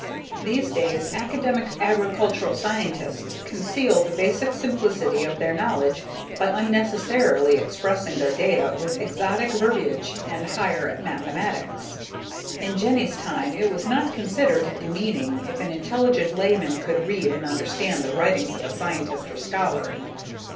_ These days, academic agricultural scientists conceal the basic simplicity of their knowledge by unnecessarily expressing their data with exotic verbiage and higher mathematics. In Jenny's time it was not considered demeaning if an intelligent layman could read and understand the writings of a scientist or scholar.